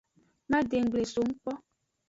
Madenggble songu kpo.